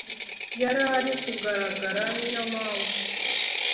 yarari kurangara niyo mpamvu